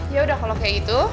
ya udah kalau kayak gitu